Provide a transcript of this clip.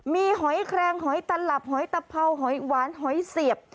มีหอยแครงหอยตลับหอยตะเพราหอยหวานหอยเสียบ